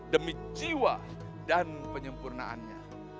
demi jiwa dan penyempurnaannya